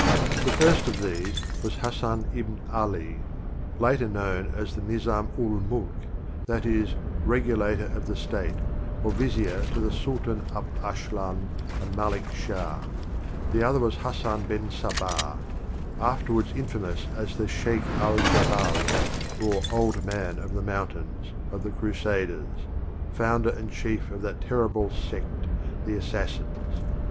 "The first of these was Hasan ibn Ali, later known as the Nizdm ul Mulk, that is, "Regulator of the State " or vizier to the Sultans Alp Arsldn and Malik Shah ; the other was Hasan ben Sabbdh, afterwards infamous as the Sheikh al Jebdl or "Old Man of the Mountains" of the Crusaders, founder and chief of that terrible seel, the Assas sins.